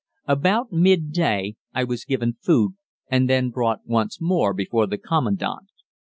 About midday I was given food, and then brought once more before the commandant.